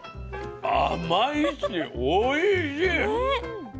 甘いしおいしい。